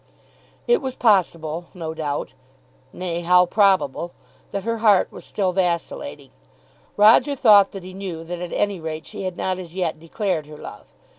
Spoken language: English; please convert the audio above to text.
It was possible, no doubt, nay, how probable, that her heart was still vacillating. Roger thought that he knew that at any rate she had not as yet declared her love.